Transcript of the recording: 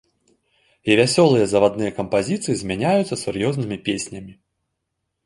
І вясёлыя завадныя кампазіцыі змяняюцца сур'ёзнымі песнямі.